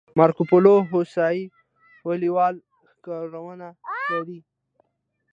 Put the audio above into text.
مارکوپولو هوسۍ ولې لوی ښکرونه لري؟